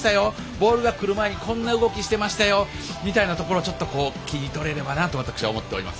ボールがくる前にこんな動きしてましたよみたいなところをちょっと切り取れればなと私は思っております。